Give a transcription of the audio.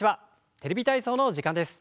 「テレビ体操」の時間です。